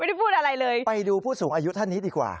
ได้พูดอะไรเลยไปดูผู้สูงอายุท่านนี้ดีกว่า